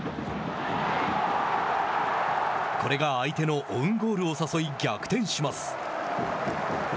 これが相手のオウンゴールを誘い逆転します。